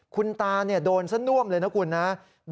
คุณตาโดนซะน่วมเลยนะคุณนะ